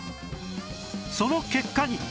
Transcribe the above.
その結果に